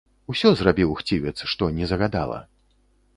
Усё зрабіў хцівец, што ні загадала.